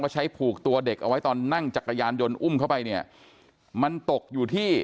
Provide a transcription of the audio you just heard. ใช้ผูกตัวเด็กเอาไว้ตอนนั่งจักรยานยนต์อุ้มเข้าไปเนี่ยมันตกอยู่ที่